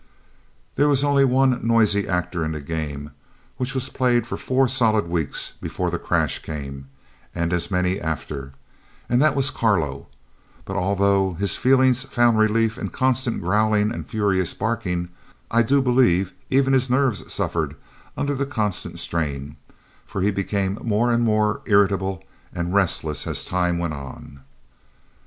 There was only one noisy actor in the game, which was played for four solid weeks before the crash came, and as many after, and that was Carlo, but, although his feelings found relief in constant growlings and furious barkings, I do believe even his nerves suffered under the constant strain, for he became more and more irritable and restless as time went on.